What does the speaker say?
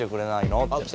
って。